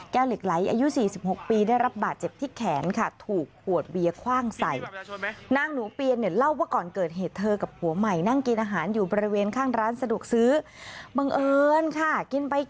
แก้วเหล็กไล้อายุ๔๖ปีได้รับบาดเจ็บที่แขนค่ะ